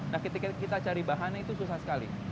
nah ketika kita cari bahannya itu susah sekali